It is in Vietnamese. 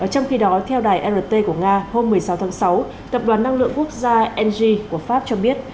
trong khi đó theo đài rt của nga hôm một mươi sáu tháng sáu tập đoàn năng lượng quốc gia ng của pháp cho biết